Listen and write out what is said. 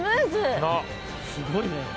すごいね。